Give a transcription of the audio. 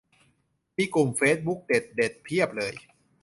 มีกลุ่มเฟซบุ๊กเด็ดเด็ดเพียบเลย